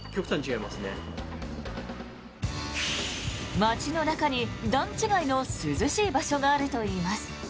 町の中に段違いの涼しい場所があるといいます。